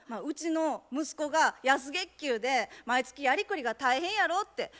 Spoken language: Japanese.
「うちの息子が安月給で毎月やりくりが大変やろ」って。